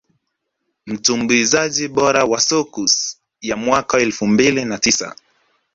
Mtumbuizaji bora wa Soukous ya mwaka elfu mbili na tisa